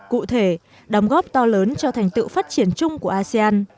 cụ thể đóng góp to lớn cho thành tựu phát triển chung của asean